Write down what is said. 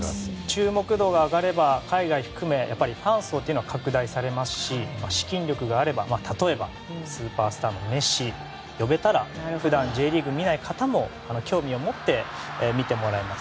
注目度が上がれば、海外を含めファン層は拡大されますし資金力があれば例えばスーパースターのメッシを呼べたら普段Ｊリーグを見ない方も興味を持って、見てもらえます。